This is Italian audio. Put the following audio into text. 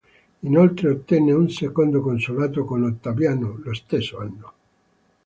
Inoltre ottenne un secondo consolato con Ottaviano lo stesso anno.